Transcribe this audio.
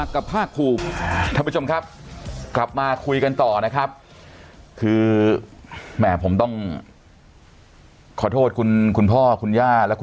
ครับกลับมาคุยกันต่อนะครับคือแหมบผมต้องขอโทษคุณคุณพ่อคุณญาติและคุณ